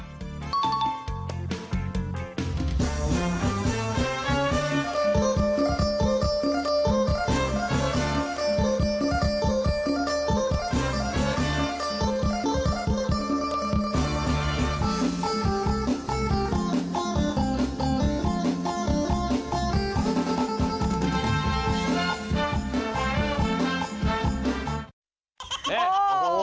ได้นะครับ